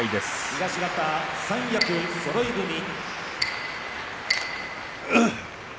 東方三役そろい踏み。